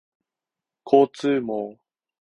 交通網